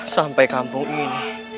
sampai kampung ini